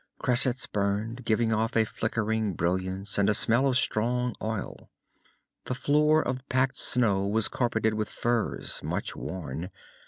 Cressets burned, giving off a flickering brilliance and a smell of strong oil. The floor of packed snow was carpeted with furs, much worn.